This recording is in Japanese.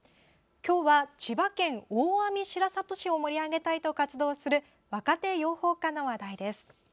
今日は千葉県大網白里市を盛り上げたいと活動する若手養蜂家の話題です。